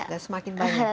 udah semakin banyak kan